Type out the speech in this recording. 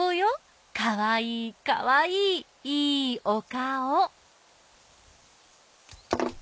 かわいいかわいいいーいおかお。